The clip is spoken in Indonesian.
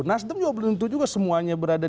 nasdem juga belum tentu juga semuanya berada